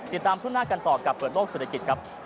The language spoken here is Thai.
ติดตามช่วงหน้ากันต่อกับเปิดโลกศึกษกิจครับ